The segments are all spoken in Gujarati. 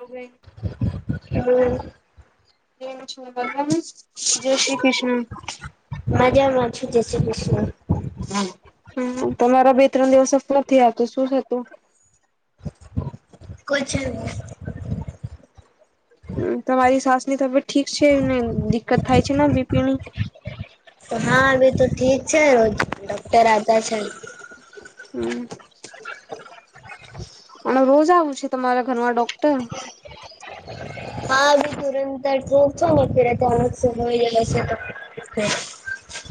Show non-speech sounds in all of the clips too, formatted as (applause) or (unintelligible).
જય (unintelligible) જય શ્રી કૃષ્ણ મજામાં જય શ્રી કૃષ્ણ તમારા બે ત્રણ દિવસ સફર આવતું શું થતું કોછો હમ તમારી સાસ ની તબ ઠીક છે એમને દિક્કત થાય છે છે ને બીપિની તો હા એ તો ઠીક છે રોજ ડોક્ટર આવતા છે હમ અને રોજ આવું છે તમારા ઘરમાં ડોક્ટર હ બી સુરેન (unintelligible)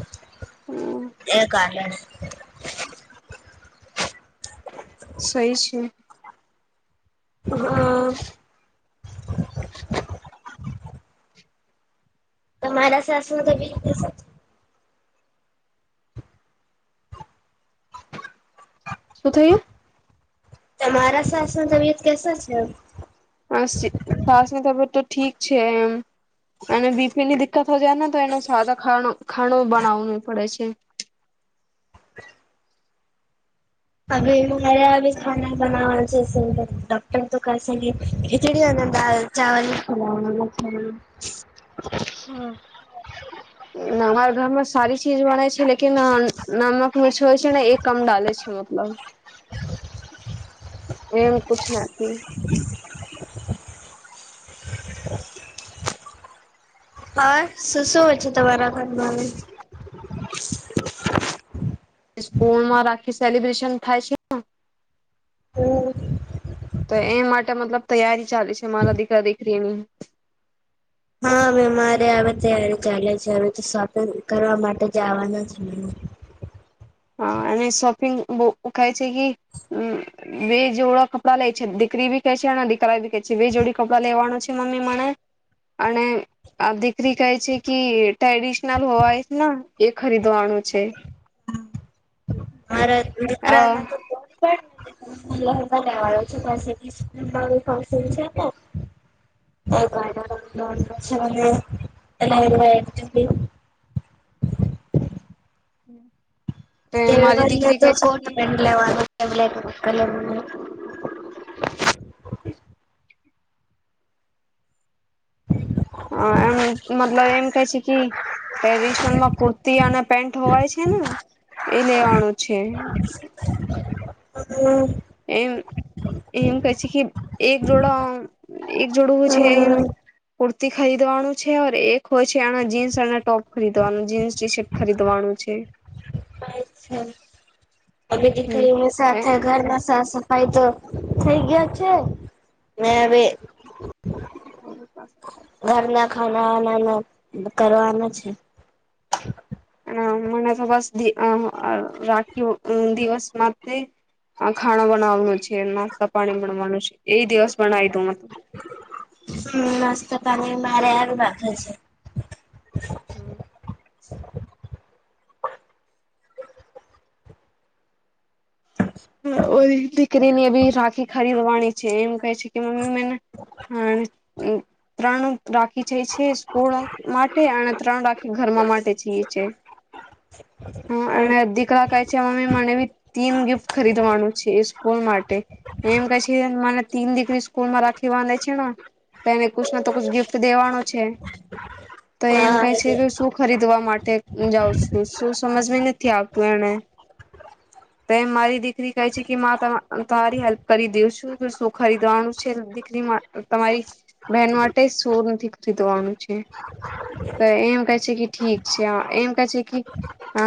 હમ એ કાર્યાની (unintelligible) સહી છે હા (unintelligible) મારા શસમાં તો બી શું થઈ તમારા સાસમાં તબિયત કેસા છે શ્વાસની તબિયત તો ઠીક છે એમ અને બીપીની દિકકત હો જાય ને તો એનો સાદા ખ ખાણું બનાવું પડે છે અ મારે ખાનો બનાવા છે ડક્ટર તો ક ખચડી દ ચાવલ ખ (unintelligible) હ હમારા ઘરમાં સારી ચીજ બને છે લકીન નમક મિર્ચ હોય છે ને એ કમ ડલેે છે મતલબ એમ કુંછ નથી હ શું શું વેચે તમારા કરમા આવે (inaudible) સ્કૂલ માં રાખી સેલિબ્રેશન થાય છે હમ તો એ માટે મતલબ તૈયારી ચાલી છે મારા દીકરા દીકરીની હા અવે મારે હવે ત્યારી ચાલે છે હવે તો શોપિંગ કરવા માટે જાવાના છે હ અને શોપિંગ બો કાઈ કે કી બે જોડા કપડાં લે છે દીકરી ભી કહે છે અને દીકરા ભી કહે છે વે જોડી કપડાં લેવાનો છે મમ્મી મને અને આ દીકરી કહે છે કે ટ્રેડિશનલ હોય ના એ ખરીદવાનું છે મારા અ દીકરા ના તો (inaudible) (unintelligible) હમ તેળવા તો કોટ પેન્ટ લેવાનું બ્લેક કલરનુ હ અ એમ મતલબ એમ કહે છે કે ટ્રેડિશનલમાં કુર્તી અને પેન્ટ હોવાય છે ને એ લેવાનું છે હમ એમ, એમ કહે છે કે એક જોડા, એક જોડું હોય છે, એમ કુર્તી ખરીદવાનું છે એક હોય છે એના જીન્સ અને ટોપ ખરીદવાનું, જીન્સ ટી શર્ટ ખરીદવાનું છે છે અી હમ દીખઈ (unintelligible) સાફાય ઘરમાં સાફ સફાઈ તો થઈ ગયો છે મે હવે (unintelligible) ઘરના ખાના વાના ના કરવાનું છે મને તો બસ અ રાખી દિવસ માટે આ ખાણો બનાવાનું છે, નાસ્તા પાણી બનવાનું છે, એ દિવસ બનાવી દઉ તો નાસ્તા પાણી મારે હારું રાખેલ છે હમ દીકરીની એ બી રાખી ખરીદવાની છે, એમ કહે છે કે મમ્મી મેને ત્રણ રાખી જ છે સ્કૂળ માટે અને ત્રણ રાખી ઘરમાં માટે જઈ છે હ, રાખે અને દીકરા કહે છે મમ્મી મને બી તીન ગિફ્ટ ખરીદવાનું છે, સ્કૂલ માટે એમ કહે છે મને તીન દીકરી સ્કૂલમાં રાખી બાંધે છે ના, એને કુછ ના તો કુછ ગિફ્ટ દેવાનો છે તો એમ કહે છે કે શું ખરીદ વા માટે હું જાઉ છું એવું સમજમાં નથી આવતું એને તો મારી દીકરી કહે છે કે માં તમારી હેલ્પ કરી દે છું શું ખરીદવાનું છે દીકરી તમારી બહેન માટે શું નથી ખરીદવાનું છે તો એમ કહે છે કે ઠીક છે એમ કહે છે કી હ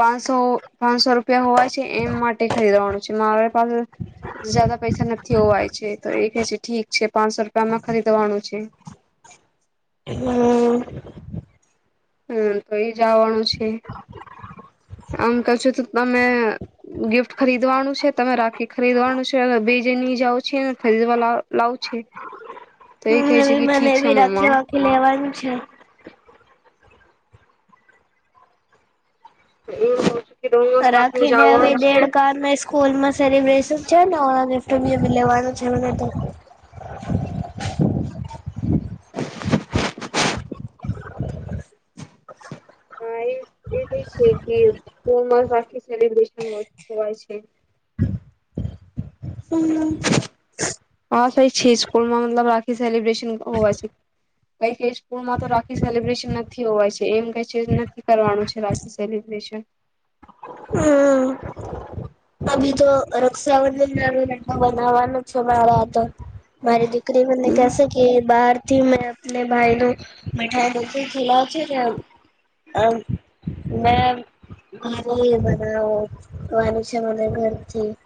પાંચસો પાંચસો રૂપિયા હોવાય છે એમ માટે ખરીદવાનું છે મારે પાસે જદા પૈસા નથી હોવાય છે તો એ કે છે ઠીક છે પાંચસો રૂપિયામાં ખરીદવાનું છે. છે હમ હમ તો એ જવાનું છે આમ કહુ છુ તો તમે ગિફ્ટ ખરીદવાનું છે તમે રાખી ખરીદવાનું છે અને બીજે ને જાવ છે ખરીદવા લ લાવ છે. ત મને બી રાખે રાખી લેવાનું છે. એ રાખીને આવી દેડ ક સ્કૂલમાં સેલિબ્રેશન છે ને લેવાનું જેવ ને તો (inaudible) હ એ એ છે કે (unintelligible) આખી સેલિબ્રેશન (unintelligible) છે. હમ હા કઈ છે સ્કૂલમાં મતલબ રાખી સેલિબ્રેશન હોવાય છે કઈ કઈ સ્કૂલમાં તો રાખી સેલિબ્રેશન નથી હોવાય છે એમ કહે છે નથી કરવાનું છે રાખી સેલિબ્રેશન. રાખી તો રક્ષાાવંધન ના બનાવવાનો છે મારે આ તો. મારી દીકરી મને કેશે કે બહાર થી મેને ભાઈનું મીઠાઈ લેકે ખીલાવશે ને છે મે ભારે બનાવવાનું છે મને ઘરે જી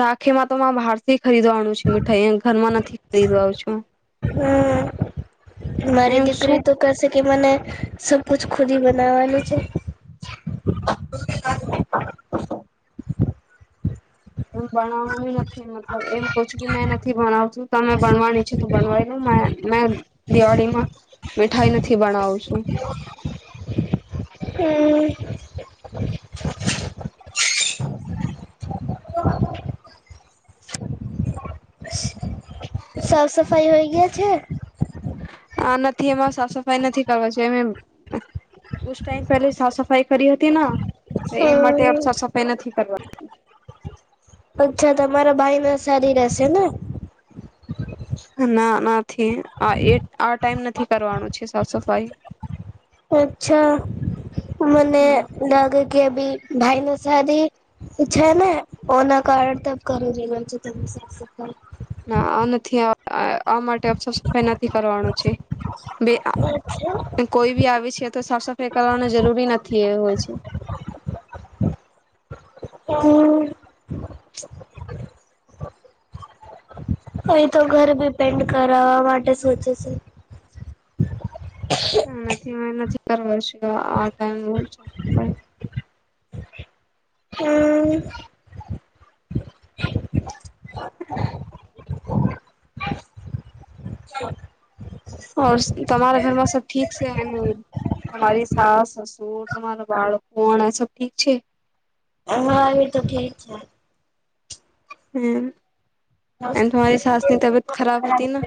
રાખીમાં તો મેં બહાર થી ખરીદવાનું છે મીઠાઈ ઘરમાં નથી ખરીદવા આવ છું. હમ મારી શું દીકરી તો કેશે કે મને સબકુછ ખુદ હી બનાવવાનું છે. એમ બણાવુંય નથી મતલબ એમ કહું છું કે મેં નથી બણાવ છુ તમે બણવાની છે તો બણવાઈ દો મે દિવાળીમાં મીઠાઈ નથી બણાવું છુ. હમ સાફ સફાઈ હોય ગયા છે. (unintelligible) આ નથી એમાં સાફ સફાઈ નથી કરવા જોઈએ એમ કુછ ટાઈમ પહેલે સાફ સફાઈ કરી હતી ના. તો એમ માટે અબ સાફ હમ સફાઈ નથી કરવાનું. અચ્છા તમારા ભાઈને સારી રેહેશે ને. ના નથી આ એ આ ટાઈમ નથી કરવાનું છે સાફ સફાઈ. અચ્છા મને હમ લાગે કે અભી ભાઈનું શાદી છે ને ઓના કારણ તમ કરી રિયા છો તમે સાફ સફાઈ. ના આ નથી આ આ માટે સાફ સફાઈ નથી કરવાનું છે બે અચ્છા આ કોઈ બી આવી છે તો સાફ સફાઈ કરવાનો જરૂરી નથી એ હોય છે. હમ અહી તો ઘર બી પેન્ટ કરાવવા માટે સોચે છે. (unintelligible) હવે નથી કરવા છે આ ટાઇમે સાફ સફાઈ. હમ (unintelligible) ઓર તમારા ઘરમાં સબ ઠીક સે એમ તમારી સાસ, સસુર તમારા બાળકો અણે સબ ઠીક છે. અમારી તો ઠીક છે. હમ્મ. એન્ડ તમારી સાસની તબિયત ખરાબ હતી ન.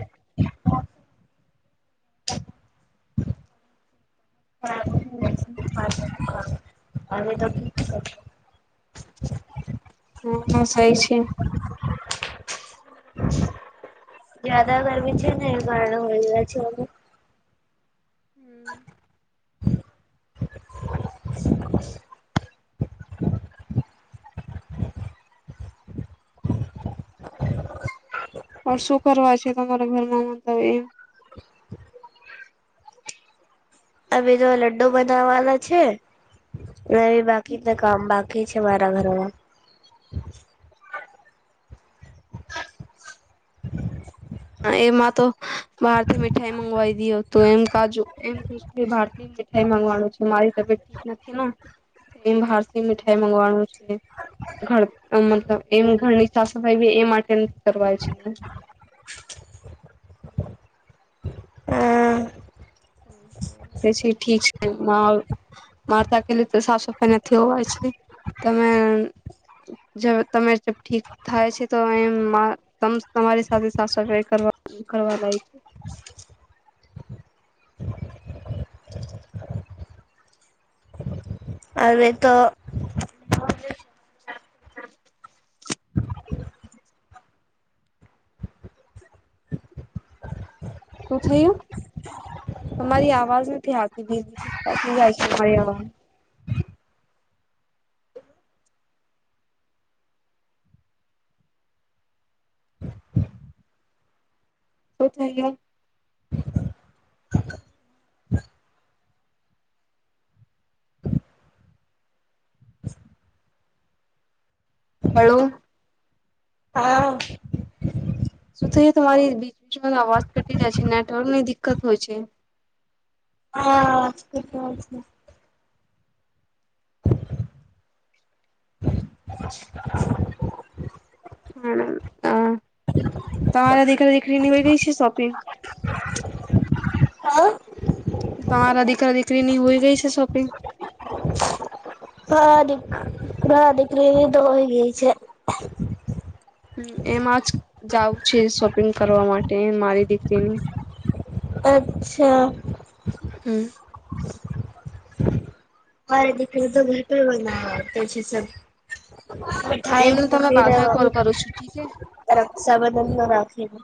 (inaudible) હવે તો ઠીક સે. હા સહી છે. જ્યાદા ગરમી છે ને એ કારણે હોય ગયા છે હવે. હમ્મ. પણ શું કરવા છે તમારા ઘરમાં મતલબ એમ હવે તો લડ્ડુ બનાવાના છે. ને બાકીના કામ બાકી છે મારા ઘરમાં. હા એમાં તો બહારથી મીઠાઈ મગવાઈ દિયો તો એમ કાજુ એમ હું કે બહારથી મીઠાઈ મગવાનું છે મારી તબિયત ઠીક નથી ન એમ બહારથી મીઠાઈ મગવાનું છે. ઘર મતલબ એમ ઘરની સાફ સફાઈ બી એ માટે નથી કરવાય છે. એ છે ઠીક છે મા મારે તો અકેલી તો સાફ સફાઈ નથી હોવાય છે તમે જ તમે ઠીક થાય છે તો એમાં તમારી સાથે સાફ સફાઈ કરવા કરવા લાય છે. હવે તો (inaudible) શું થયું તમારી આવાજ નથી આવતી બેન અટકી જાય જાય છે તમારી આવાજ. શું થયું. હલો. હા શું થઈ તમારી બીચ બીચમાં અવાજ ઘટી જાય છે નેટવર્કની દિકકત હોય છે. હ છે હ અ તમાાર દીકરી દીકરીની હોય ગઈ છે શોપિંગ? તમારા દીકરા દીકરી ની હોય ગઈ છે શોપીંગ? હા દી હા દીક તો હોય ગય છે. હમ એમાં જ જઉું છે શોપિંગ કરવા માટે મારી દીકરીની. અચ્છા હમ મારી દીકરી તો ઘર પર રમવા આવતી છે. મિઠાાઈં એમને તમે બાદમાં કોલ કરું છું ઠીક હે રક્ષાબંધન ની રાખી દો.